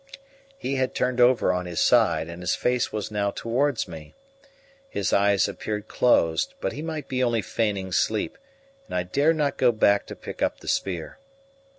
He had turned over on his side, and his face was now towards me. His eyes appeared closed, but he might be only feigning sleep, and I dared not go back to pick up the spear.